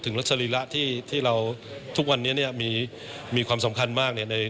ถึงตัวที่เราทุกวันนี้มีมีความสำคัญมากเนี่ยใน